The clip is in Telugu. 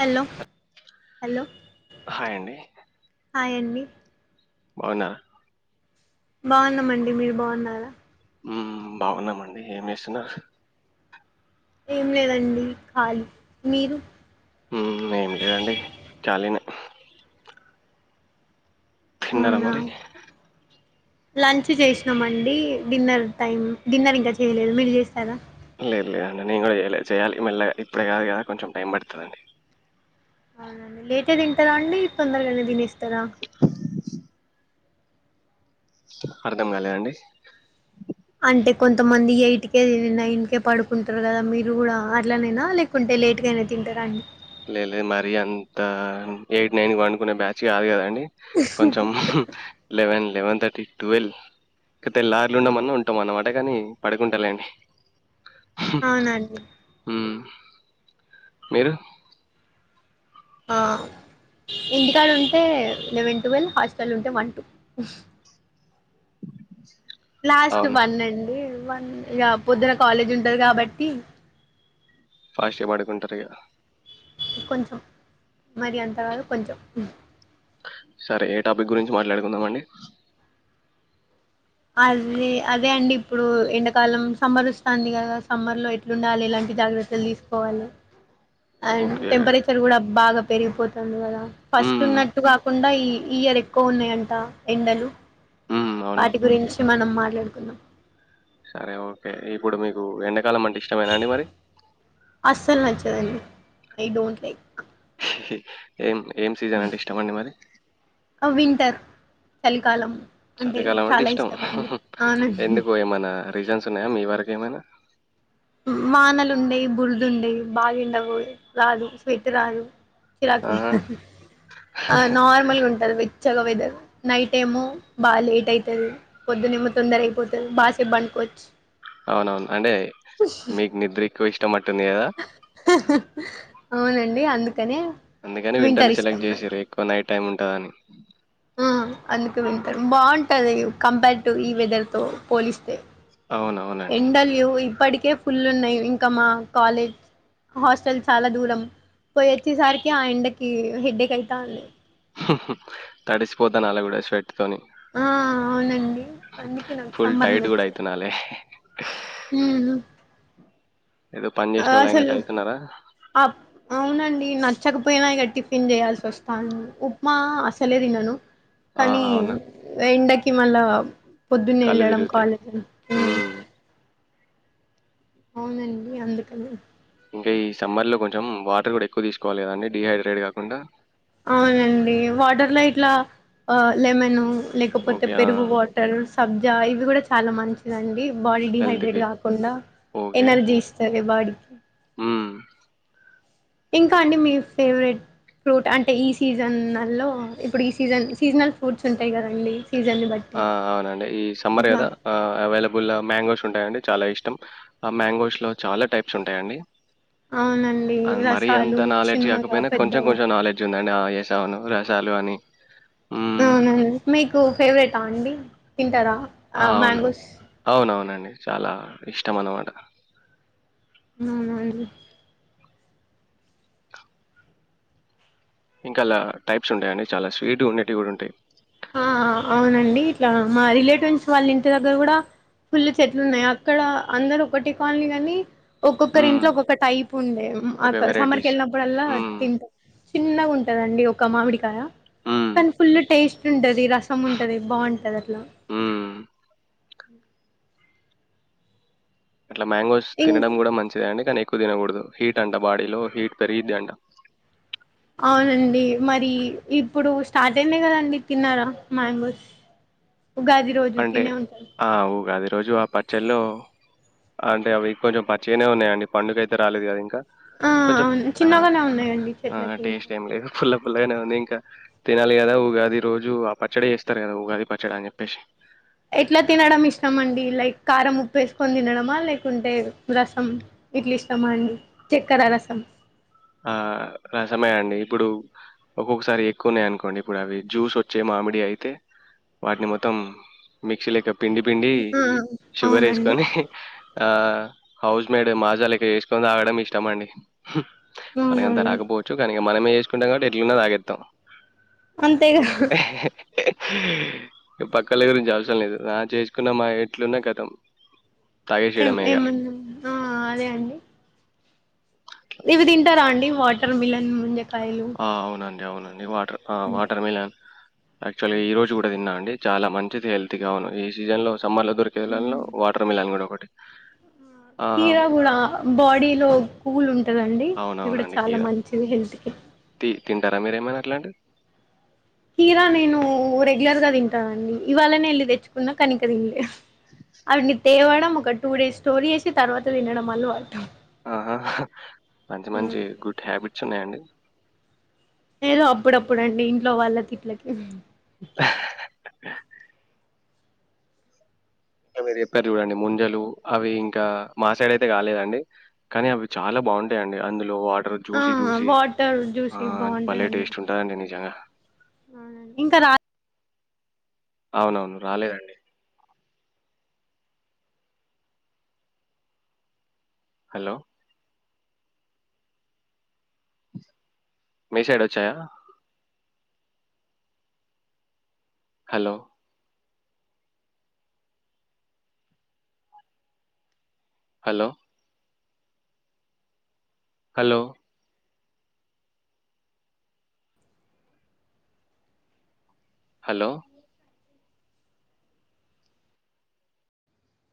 హలో హలో హాయ్ అండి హాయ్ అండి బావునా బాగున్నామండి మీరు బాగున్నరా హుమ్ బాగున్నామండి ఏమి చేేస్తున్నారు ఏం లేదండి ఖాళీ మీరు ఏం లేదండి కాలినే తిన్నరా అవునా మరి లంచ్ చేసినాంమండి డిన్నర్ టైం డిన్నర్ ఇంకా చేయలేదు మీరు చేస్తారా లేదు లేదండి నేను కూడా చేయాలి మెల్ళగా ఇప్పుడే కాదు కదా కొంచెం టైం పడుతుందండి అవునండి లేటే తింటారా అండి తొందరగానే తనిస్తారా అర్ధం కాలే అండి అంటే కొంతమంది ఎయిట్కే నైన్కే పడుకుంటారు కదా మీరు కూడా అట్లానైనా లేకుంటే లేట్గా అయినా తింటారుండి లే లేదు మరి అంత ఎయిట్ నైన్ వనుకునే బ్యాచ్ కాదు కదండి కొంచెం లెవెన్ లెవెన్ థర్టీ ట్వల్వ్ ఇక తెల్లారులు అవు- ఉండమన్నా ఉంటాం అన్నమాట కాని పడుకుంటా లేండి హ్మ్ అవునండి హుం మీరు ఆ ఇంటికాడుంటే లెవెన్ టువెల్ హాస్టల్ ఉంటే వన్ టూ లాస్ట్ అవునా వన్ అండి ఇక పొద్దున కాలేజ్ ఉంటది కాబట్టి ఫాస్ట్ గా పడుకుంటరిగ కొంచెం మరి అంత కాదు కొంచెం సరే ఏ టాపిక్ గురించి మాట్లాడుకుందాం అండి అదే అదే అండి ఇప్పుడు ఎండాకాలం సమ్మర్ వస్తాంది కదా సమ్మర్ లో ఎట్లుండాలి ఇలాంటి జాగ్రత్తలు తీసుకోవాలి అండ్ ఓకే టెంపరేచర్ కూడా బాగా పెరిగిపోతుంది కదా ఫస్ట్ మ్మ్, ఉన్నట్టు కాకుండా ఈ ఇయర్ ఎక్కువ ఉన్నయంట ఎండలు మ్మ్, అవునా వాటి గురించి మనం మాట్లాడుకుందాం సరే ఓకే ఇప్పుడు మీకు ఎండ అస్సలు నచ్చదండి ఐ డోంట్ లైక్ ఏం ఏం సీజన్ అంటే ఇష్టం అండి మరి వింటర్ చలికాలం చలికాలం అంటే చాలా ఇష్టమా ఇష్టం అండి అవునండి ఎందుకు ఏమనా రీజన్స్ సున్నాయా మీ వరకేమైనా వానలుండయి బురదుండయి బాగెండ కూడ రాదు స్వెట్ రాదు చిరాకి ఆహా! ఆ నార్మల్గుంటది వె చ్చగ వెదర్ నైట్ ఏమో బా లేట్ అయితాది పొద్దునేేమో తొందర అయిపోతది బాసేపు పండుకోవచ్చు అవునవును. అంటే మీకు నిద్రెక్ క్కువిష్టమన్ ట్టింది కదా అవునండి అందుక్ అందుకని వింటర్ని సెలెక్ట్ చేసారు. ఎక్కువ నైట్ టైం ఉంటదని. ఆ అందుకు వింటర్ బాగుంటది కంపేర్ టు ఈ వెదర్ తో పోలిస్తే అవునవునండి. ఎండలు ఇప్పటికే ఫుల్లున్నాయి ఇంకా మా కాలేజ్ హాస్టల్ చాలా దూరం పోయి వచ్చేసరికి ఆ ఎండకి హెడ్డేక్ అయితాంది. తడిచిపోతనాల కూడా స్వెట్ ఆ అవునండి అందుకె నాకు ఫుల్ సమ్మర్ టైర్డ్ గూడా నచ్చదు. అయితున్నాలే. ఏదో పని చేసినోళ్ళయినట్టు అసలు అయితున్నారా? ఆప్ అవునండి నచ్చక్ ఉప్మానా ఇగా టిఫిన్ చేయాల్సిస్తుంది ఉప్మా అసలే తీనను. కానీ ఆహా! అవునా? వెండకి హిమల్బ్ పొద్దున్నే కళ్ళు వెళ్ళడం తిరుగుతాయి. కాలేజీ హ్మ్. అవునండి అందుకనే ఇంకా ఈ సమ్మర్ లో కొంచెం వాటరు కూడా ఎక్కువ తీసుకోవాలి కదా అండి డిహైడ్రేట్ కాకుండా అవునండి వాటర్లో ఇట్లా ఆ లెమను లేకపోతే ఓకే. ఆ! పెరుగు వాటర్స్ సబ్జా ఇవి కూడా చాలా మంచిదండి. బాడీ హెల్త్‌కి. డిహైడ్రేట్ కాకుండా ఎనర్జీ ఇస్తది బాడీ మ్మ్ ఇంకా అండి మీ ఫేవరెట్ ఫ్రూట్ అంటే ఈ సీజన్ లో ఇప్పుడు ఈ సీజన్ సీజనల్ ఫ్రూట్స్ ఉంటాయి కదండి సీజన్ని బట్టి ఆ అవునండి ఈ సమ్మర్ ఎట్లా కదా ఆ అవైలబుల్ మ్యాంగోస్ ఉంటాయండి చాలా ఇష్టం ఆ మ్యాంగోస్ లో చాలా టైప్స్ ఉంటాయండి. అవునండి మరీ రసాలు అంత నాలెడ్జ్ చిన్నగా కాకపోయినా కొంచెం పెద్దగా కొంచెం నాలెడ్జ్ ఉందండి ఆ ఎస్ అవునవును రసాలు అని హ్మ్. టూ ఫేవరెటా అండి తింటారా ఆ అవును అవునవునండి చాలా. ఇష్టం అన్నమాట అ [unintelligible] ఇంకా అలా టైప్స్ ఉంటాయిండి చాలా స్వీట్ ఉండేటివి కూడా ఉంటాయి ఆ అవునండి ఇట్లా మా రిలేటివ్స్ వాళ్ళ ఇంటి దగ్గర కూడా ఫుల్లు చెట్లు ఉన్నాయి అక్కడ అందరూ ఒకటి కాలనీ కాని ఒక్కొక్కరి హ్మ్. ఇంట్లో ఒక్కొక్క టైప్ ఉండే ఓకే. అక్క సమ్మర్కి వెరైటీస్. వెళ్ళినప్పుడల్లా హ్మ్. తింటాం చిన్నగా ఉంటదండి ఒక మామిడికాయ హ్మ్. కనీ ఫుల్ టేస్ట్ రసం ఉంటది బాగుంటది అట్లా హ్మ్. ఇట్లా మ్యాంగోస్ ఇం తినడం కూడా మంచిదే అండి కాని ఎక్కువ తినకడదు హీట్ అంట బాడీలో హీట్ పెరిగిద్ది అంట అవునండి మరి ఇప్పుడు స్టార్ట్ అయింది కదండి తిన్నారా మ్యాంగోస్ ఉగాది రోజు అంటే తినే ఉంటారు ఆ ఊగాది రోజు ఆ పచ్చలో అంటే అవి కొంచెం పచ్చగానే ఉన్నాయండి పండుకాయితే రాలేదు కదా ఇంకా ఆ కొంచెం అవును ఆ చిన్నగానే ఉన్నాయండి ఆ చెట్లకి ఇంకా టేస్ట్ ఏం లేదు పుల్ల పుల్లగానే ఉంది ఇంకా తినాలి కదా ఉగాది రోజు ఆ పచ్చడి చేస్తారు కదా ఉగాది పచ్చడి అని చెప్పేసి ఎట్లా తినడం ఇష్టమండి లైక్ కారం ఉప్పు వేసుకొని తినడమా లేకుంటే రసం ఇట్లా ఇష్టమా అండి చక్కెర రసం ఆ రసమే అండి ఇప్పుడు ఒక్కొక్కసారి ఎక్కువన్నాయి అనుకోండి ఇప్పుడు అవి జ్యూస్ వచ్చే మామిడి అయితే వాటిని మొత్తం మిక్సీ ల పిండి పిండి ఆ షుగర్ అవునండి వేసుకొని ఆ హౌస్ మేడ్ మాజాలేక్క చేసుకొని తాగడం ఇష్టమండి మనకంత అవునండి రాక పోవచ్చు కానీ మనమే చేసుకుంటాం కాబట్టి ఎట్లూన్నా తాగేస్తాం అంతేగా పక్కల గురించి అవసరం లేదు నా చేసుకున్న మా ఎట్లున్నా కతం ఏం తాగేసేయడమే ఇగ. ఏమన్నా ఆ అదే అండి ఇవి తింటారా అండి వాటర్ మిలన్ ముంజే ఆ అవునండి అవునండి వా ఆ వాటర్ మేలన్ యాక్చువల్ గా ఈ రోజు కూడా తిన్న అండి చాలా మంచిది హెల్తీగా ఉన్నాను ఈ సీజన్ లో సమ్మర్లో దొరికేలళ్లో వాటర్ మిలన్ కూడా ఒకటి [inaudible] కీర కూడా బాడీలో కూలు ఉంట తదండి ఇప్పుడు అవునవునండి. చాలా కీర మంచిది హెల్త్ కి తి తింటారా మీరేమనా అట్లాంటి కీరా నేను రెగ్యులర్ గా తింటానండీ ఇవాళనే వెళ్ళి తెచ్చుకున్నా కని ఇంక తిన్లె ఆటిని తేవడం ఒక టూ డేస్ స్టోరీ చేసి తర్వాత తినడం అలవాటు ఆహా మంచి మంచి గుడ్ హ్యాబిట్స్ ఉన్నాయండి ఏదో అప్పుడప్పుడండి ఇంట్లో వాళ్ళ తిట్లకి అహ్ అహ్ హ ఇంకా మీరు చెప్పారు చూడండి ముంజలు అవి ఇంకా మా సైడ్ అయితే కాలేదండి కనీ అవి చాలా బాగుంటాయండి అందులో వా ఆ చూసి జూసి వాటర్ ఆ జ్యూసి భలే టేస్ట్ ఉంటాయండి నిజంగా ఆ ఇంక రా అవునవును రాలేదండి హలో మీ సైడొచ్చాయా హలో హలో హలో హలో